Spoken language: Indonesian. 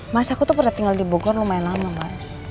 mas aku tuh pernah tinggal di bogor lumayan lama mas